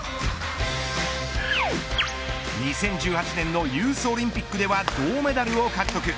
２０１８年のユースオリンピックでは銅メダルを獲得。